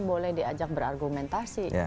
boleh diajak berargumentasi